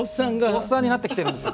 おっさんになってきてるんですよ。